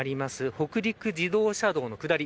北陸自動車道の下り。